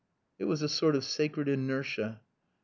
It was a sort of sacred inertia.